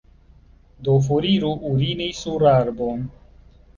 Do foriru urini sur arbon!